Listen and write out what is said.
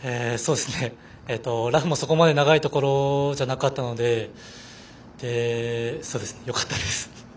ラフもそこまで長いところじゃなかったのでよかったです。